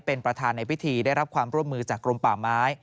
เป็นประธานในพิธีได้รับความร่วมมือจากกรมป่าไม้